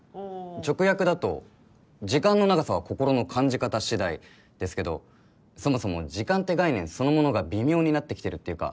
直訳だと「時間の長さは心の感じ方次第」ですけどそもそも時間って概念そのものが微妙になってきてるっていうか。